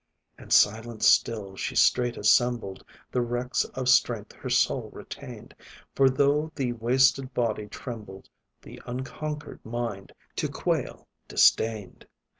And silent still, she straight assembled The wrecks of strength her soul retained; For though the wasted body trembled, The unconquered mind, to quail, disdained.